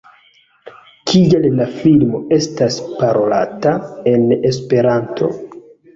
Kial la filmo estas parolata en Esperanto?